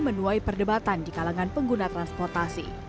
menuai perdebatan di kalangan pengguna transportasi